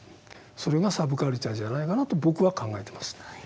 それがサブカルチャーじゃないかなと僕は考えてます。